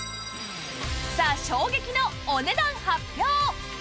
さあ衝撃のお値段発表！